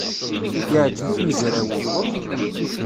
Yeɛjeb i tmezrawin.